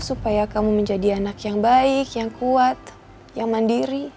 supaya kamu menjadi anak yang baik yang kuat yang mandiri